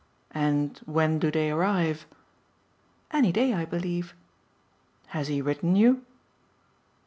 "And when do they arrive?" "Any day, I believe." "Has he written you?"